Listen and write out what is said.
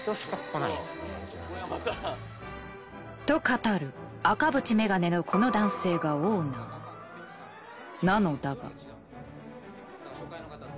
と語る赤縁メガネのこの男性がオーナーなのだが。